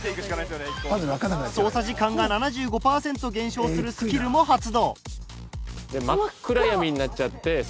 操作時間が７５パーセント減少するスキルも発動。